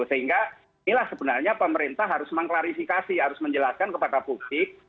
sehingga inilah sebenarnya pemerintah harus mengklarifikasi harus menjelaskan kepada publik